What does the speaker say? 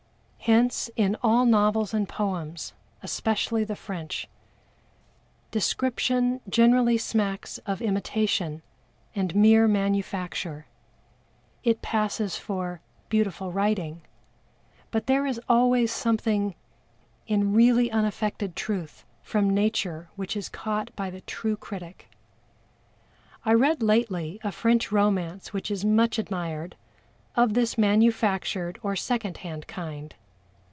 Hence in all novels and poems, especially the French, description generally smacks of imitation and mere manufacture. It passes for "beautiful writing," but there is always something in really unaffected truth from nature which is caught by the true critic. I read lately a French romance which is much admired, of this manufactured or second hand kind.